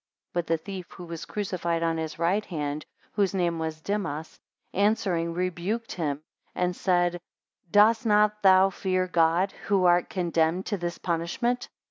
11 But the thief who was crucified on his right hand, whose name was Dimas, answering, rebuked him, and said, Dost not thou fear God, who art condemned to this punishment?